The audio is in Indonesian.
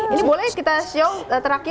ini boleh kita show terakhir